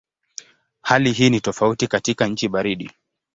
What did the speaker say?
Hali hii ni tofauti katika nchi baridi.